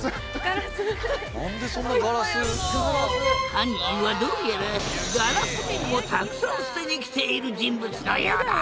犯人はどうやらガラス瓶もたくさん捨てに来ている人物のようだ！